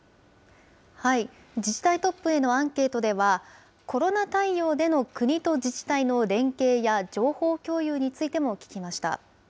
自治体トップへのアンケートでは、コロナ対応での、国と自治体の連携や情報共有についても聞きました。